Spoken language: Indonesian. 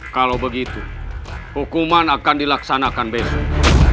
kalau begitu hukuman akan dilaksanakan besok